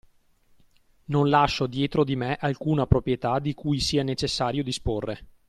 Non lascio dietro di me alcuna proprietà di cui sia necessario disporre.